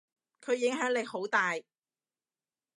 佢影響力好大。